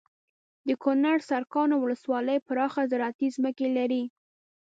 دکنړ سرکاڼو ولسوالي پراخه زراعتي ځمکې لري